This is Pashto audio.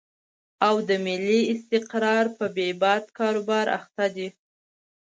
او د ملي استقرار په بې باد کاروبار اخته دي.